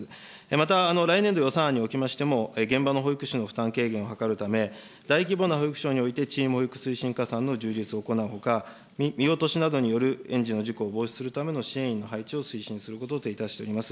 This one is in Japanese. また来年度予算案におきましても、現場の保育士の負担軽減を図るため、大規模な保育所においての推進加算の充実を行うほか、見落としなどによる園児の事故を防止するための支援、配置を推進することといたしております。